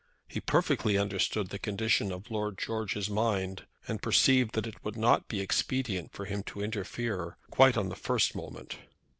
He perfectly understood the condition of Lord George's mind, and perceived that it would not be expedient for him to interfere quite on the first moment.